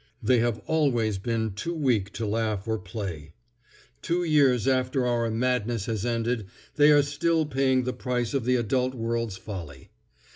They have always been too weak to laugh or play. Two years after our madness has ended they are still paying the price of the adult world's folly.